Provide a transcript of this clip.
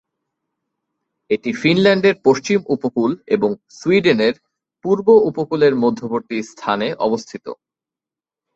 এটি ফিনল্যান্ডের পশ্চিম উপকূল এবং সুইডেনের পূর্ব উপকূলের মধ্যবর্তী স্থানে অবস্থিত।